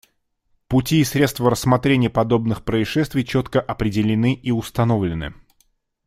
Пути и средства рассмотрения подобных происшествий четко определены и установлены.